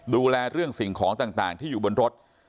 ดูแลเรื่องสิ่งของต่างที่อยู่บนรถ